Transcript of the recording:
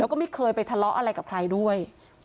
แล้วก็ไม่เคยไปทะเลาะอะไรกับใครด้วย